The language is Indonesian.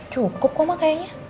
cukup oma kayaknya